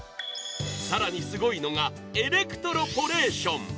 更にすごいのがエレクトロポレーション。